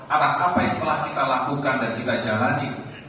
atas apa yang telah kita lakukan dan kita jalani